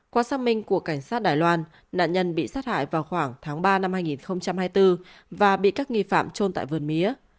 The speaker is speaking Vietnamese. qua xác minh của cảnh sát đài loan nạn nhân bị sát hại vào khoảng tháng ba năm hai nghìn hai mươi bốn và bị các nghi phạm trôn tại vườn mía